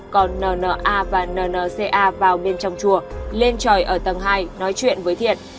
còn n n a và n n c a vào bên trong chùa lên tròi ở tầng hai nói chuyện với thiện